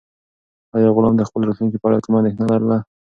آیا غلام د خپل راتلونکي په اړه کومه اندېښنه لرله؟